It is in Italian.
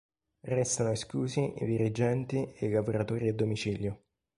Restano esclusi i dirigenti e i lavoratori a domicilio.